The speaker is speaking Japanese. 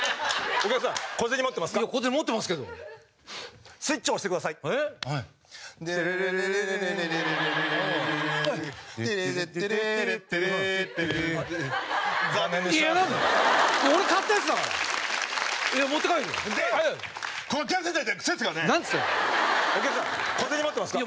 お客さん小銭持ってますか？